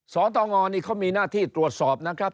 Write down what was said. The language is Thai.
สตงนี่เขามีหน้าที่ตรวจสอบนะครับ